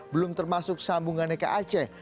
belum termasuk sambungannya ke aceh